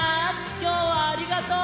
きょうはありがとう！